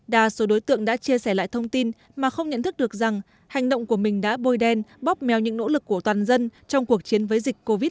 đa số đối tượng đã chia sẻ lại thông tin mà không nhận thức được rằng hành động của mình đã bôi đen bóp mèo những nỗ lực của toàn dân trong cuộc chiến với dịch covid một mươi chín